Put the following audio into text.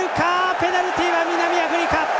ペナルティーは南アフリカ！